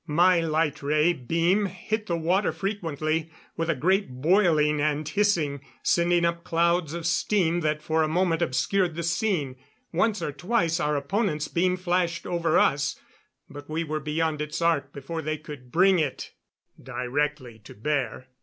My light ray beam hit the water frequently, with a great boiling and hissing, sending up clouds of steam that for a moment obscured the scene. Once or twice our opponent's beam flashed over us, but we were beyond its arc before they could bring it directly to bear.